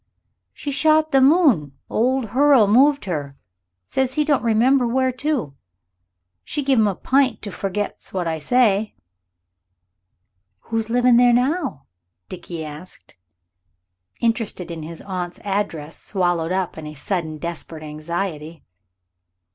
"She shot the moon old Hurle moved her; says he don't remember where to. She give him a pint to forget's what I say." "Who's livin' there now?" Dickie asked, interest in his aunt's address swallowed up in a sudden desperate anxiety.